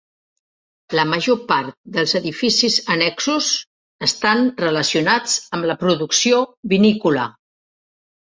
La major part dels edificis annexos estan relacionats amb la producció vinícola.